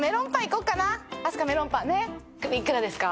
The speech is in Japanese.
これいくらですか？